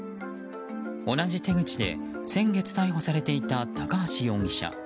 同じ手口で先月逮捕されていた高橋容疑者。